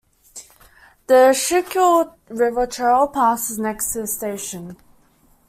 The Schuylkill River Trail passes next to the station.